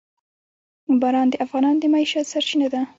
باران د افغانانو د معیشت سرچینه ده.